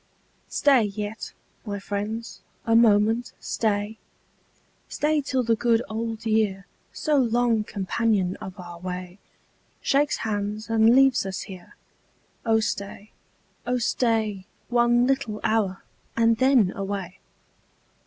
Stat yet, my friends, a moment stay — Stay till the good old year, So long companion of our way, Shakes hands, and leaves ns here. Oh stay, oh stay. One little hour, and then away.